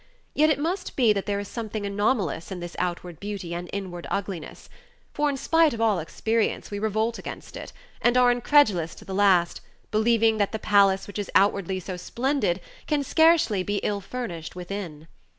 Yet it must be that there is something anomalous in this outward beauty and inward ugliness; for, in spite of all experience, we revolt against it, and are incredulous to the last, believing that the palace which is outwardly so splendid can scarcely be ill furnished within.